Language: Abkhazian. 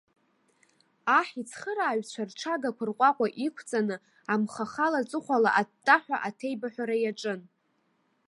Аҳ ицхырааҩцәа рҽагақәа рҟәаҟәа иқәҵаны амхы ахала аҵыхәала аттаҳәа аҭеибаҳәара иаҿын.